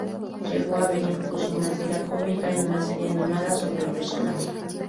Llegó a haber incluso una tira cómica y una serie animada sobre el personaje.